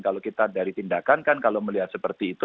kalau kita dari tindakan kan kalau melihat seperti itu